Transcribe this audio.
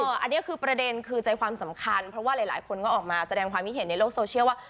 อันนี้คือประเด็นคือใจความสำคัญเพราะว่าหลายคนก็ออกมาแสดงความคิดเห็นในโลกโซเชียลว่า